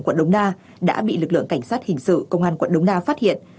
quận đông na đã bị lực lượng cảnh sát hình sự công an quận đông na phát hiện